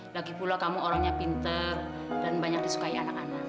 lagipula kamu orangnya pinter dan banyak disukai anak anak